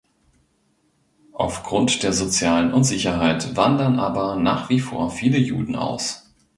Auf Grund der sozialen Unsicherheit wandern aber nach wie vor viele Juden aus.